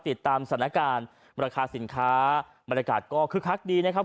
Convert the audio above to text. ติดตามสถานการณ์ราคาสินค้าบรรยากาศก็คึกคักดีนะครับ